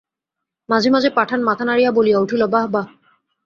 মাঝে মাঝে পাঠান মাথা নাড়িয়া বলিয়া উঠিল, বাহবা!